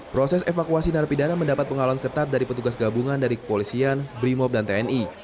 proses evakuasi narapidana mendapat pengawalan ketat dari petugas gabungan dari kepolisian brimob dan tni